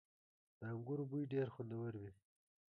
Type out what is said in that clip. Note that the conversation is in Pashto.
• د انګورو بوی ډېر خوندور وي.